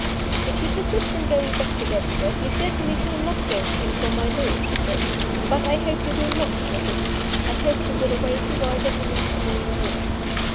"If you persist in going back to Dexter, you certainly shall not go to him from my door," she said. "But I hope you will not persist. I hope you will awake a wiser woman to morrow morning."